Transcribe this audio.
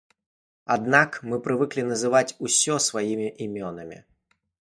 Аднак мы прывыклі называць усё сваімі імёнамі!